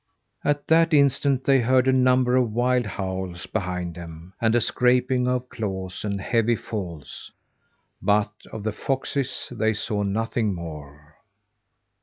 At that instant they heard a number of wild howls behind them, and a scraping of claws, and heavy falls. But of the foxes they saw nothing more.